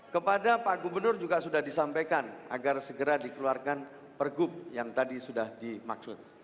kepada pak gubernur juga sudah disampaikan agar segera dikeluarkan pergub yang tadi sudah dimaksud